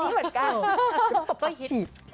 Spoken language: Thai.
ด้วยตกปากฉีด